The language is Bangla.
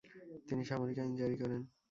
তিনি সামরিক আইন জারি করেন।